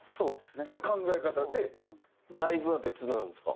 っていう考え方でライブは別なんですか？